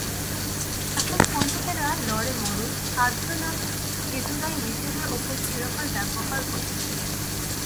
এখন পণ্ডিতেরা লড়ে মরুন! আর্য নাম হিঁদুরাই নিজেদের উপর চিরকাল ব্যবহার করেছে।